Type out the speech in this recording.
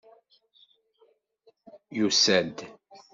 Yusa-d.